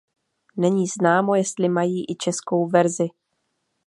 Není známo jestli mají i českou verzi.